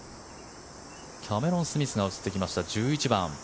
キャメロン・スミスが映ってきました、１１番。